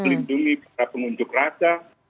pelindungi para pengunjung rakyat